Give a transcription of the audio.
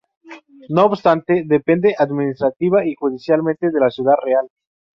No obstante, depende administrativa y judicialmente de Ciudad Real.